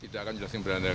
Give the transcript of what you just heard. bukan ada islah pak